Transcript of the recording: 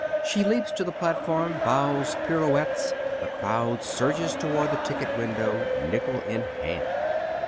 She leaps to the platform, bows, pirouettes. The crowd surges toward the ticket window, nickel in hand.